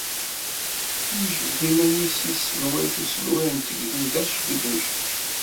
Yejbed iman-is deg tselwayt Uselway n Tegduda Cadli Ben Jdid.